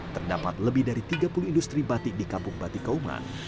terdapat lebih dari tiga puluh industri batik di kampung batik kauman